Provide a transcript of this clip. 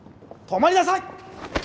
止まりなさい！